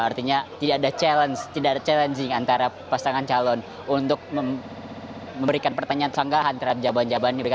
artinya tidak ada challenge tidak ada challenging antara pasangan calon untuk memberikan pertanyaan sanggahan terhadap jawaban jawabannya